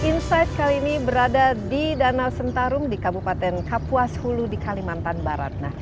insight kali ini berada di danau sentarum di kabupaten kapuas hulu di kalimantan barat